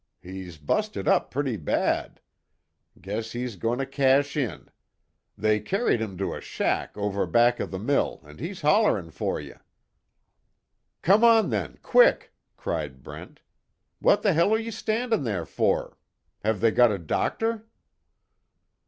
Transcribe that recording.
He's busted up pretty bad. Guess he's goin' to cash in. They carried him to a shack over back of the mill an' he's hollerin' fer you." "Come on then quick!" cried Brent. "What the hell are you standin' there for? Have they got a doctor?"